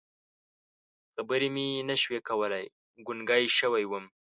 خبرې مې نه شوې کولی، ګونګی شوی وم.